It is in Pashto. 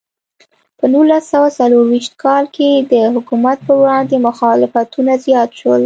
په نولس سوه څلور څلوېښت کال کې د حکومت پر وړاندې مخالفتونه زیات شول.